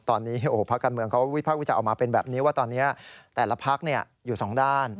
ตอนนี้พักการเมืองเขาวิภาควิจารณ์ออกมาเป็นแบบนี้ว่าตอนนี้แต่ละพักอยู่สองด้าน